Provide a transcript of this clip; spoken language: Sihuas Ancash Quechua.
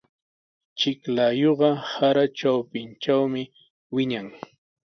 Chiklayuqa sara trawpintrawmi wiñan.